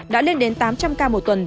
đã lên đến tám trăm linh ca một tuần